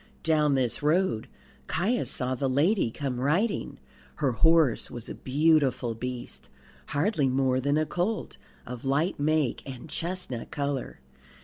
Down this road Caius saw the lady come riding. Her horse was a beautiful beast, hardly more than a colt, of light make and chestnut colour.